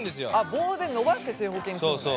棒で伸ばして正方形にするのね。